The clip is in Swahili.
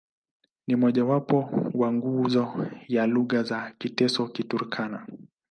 Ni mmojawapo wa nguzo ya lugha za Kiteso-Kiturkana.